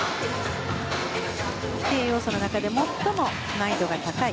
規定要素の中で最も難易度が高い